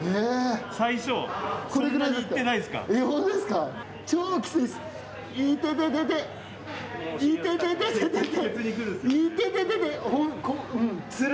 最初、それぐらい行ってないですから。